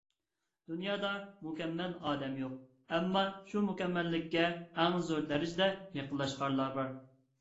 دۇنيادا مۇكەممەل ئادەم يوق، ئەمما شۇ مۇكەممەللىككە ئەڭ زور دەرىجىدە يېقىنلاشقانلار بار.